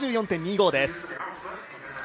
７４．２５です。